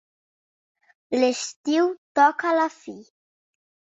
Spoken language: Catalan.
L'estiu toca a la fi.